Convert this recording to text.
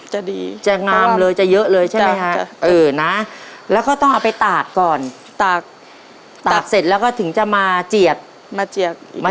จะดีจะงามเลยเยอะเลยใช่มั้ยค่ะ